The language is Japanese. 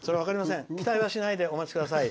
期待はしないでお待ちください。